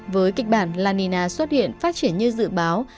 với kịch bản la nina xuất hiện phát triển như dự báo